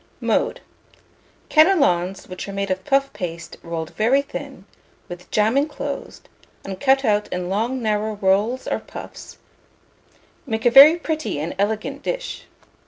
Mode. Cannelons which are made of puff paste rolled very thin, with jam inclosed, and cut out in long narrow rolls or puffs, make a very pretty and elegant dish.